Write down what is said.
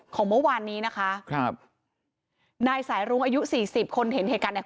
ของเมื่อวานนี้นะคะครับนายสายรุ้งอายุสี่สิบคนเห็นเหตุการณ์เนี่ย